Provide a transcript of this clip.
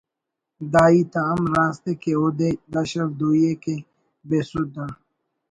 دا ہیت ہم راست ءِ کہ اودے دا شرف دوئی ءِ کہ بے سدھ آ